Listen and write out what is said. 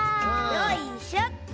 よいしょっと！